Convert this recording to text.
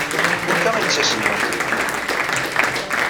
Anta ay d tasiwant-nnem?